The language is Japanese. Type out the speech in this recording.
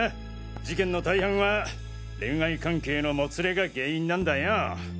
事件の大半は恋愛関係のもつれが原因なんだよ。